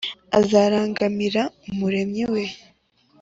azarangamira Umuremyi we